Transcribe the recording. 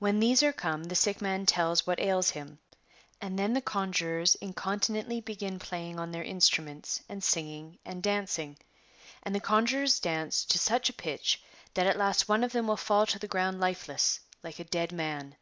When these are come the sick man tells what ails him, and then the conjurors incontinently begin playing on their instruments and singing and dancing ; and the conjurors dance to such a pitch that at last one of them will fall to the ground lifeless, like a dead man.